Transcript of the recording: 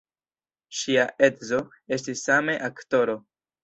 Ŝia edzo estis same aktoro.